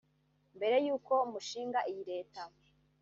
Mbere y’uko mushinga iyi Leta